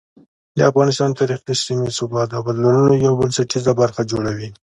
د افغانستان تاریخ د سیمې د ثبات او بدلونونو یو بنسټیزه برخه جوړوي.